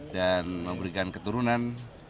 dan memberikan keturunan